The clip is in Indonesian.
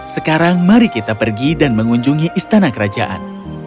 sekarang mari kita pergi dan mengunjungi istana kerajaan